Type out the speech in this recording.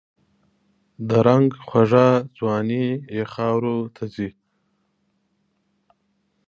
د رنګ خوږه ځواني یې خاوروته ځي